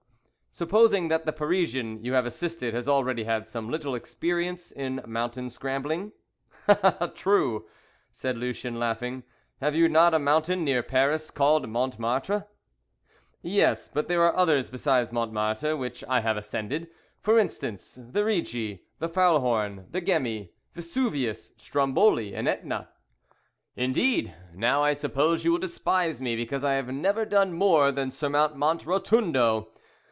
"Supposing that the Parisian you have assisted has already had some little experience in mountain scrambling?" "Ah, true!" said Lucien, laughing. "Have you not a mountain near Paris called Montmartre?" "Yes, but there are others beside Montmartre which I have ascended. For instance, the Rigi, the Faulhorn, the Gemmi, Vesuvius, Stromboli and Etna." "Indeed! Now I suppose you will despise me because I have never done more than surmount Monte Rotundo!